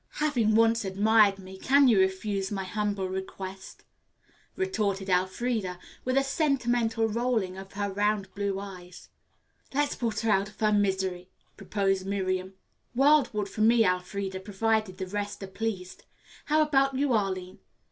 "Having once admired me, can you refuse my humble request?" retorted Elfreda, with a sentimental rolling of her round blue eyes. "Let's put her out of her misery," proposed Miriam. "Wildwood for me, Elfreda, provided the rest are pleased. How about you, Arline?